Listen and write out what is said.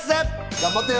頑張ってよ。